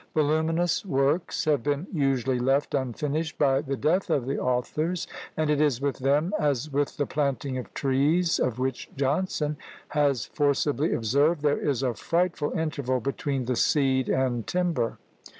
Voluminous works have been usually left unfinished by the death of the authors; and it is with them as with the planting of trees, of which Johnson has forcibly observed, "There is a frightful interval between the seed and timber."